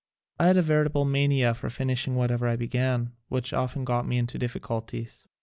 I had a veritable mania for finishing whatever I began, which often got me into difficulties.